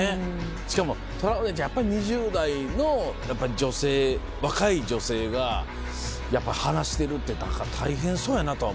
しかもトラウデンちゃん２０代の若い女性がやっぱ話してるって大変そうやなとは思う。